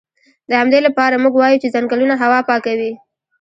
د همدې لپاره موږ وایو چې ځنګلونه هوا پاکوي